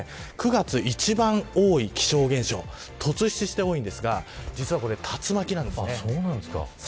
９月、一番多い気象現象。突出して多いんですがこれは竜巻なんです。